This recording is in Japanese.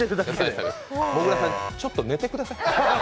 もぐらさん、ちょっと寝てください。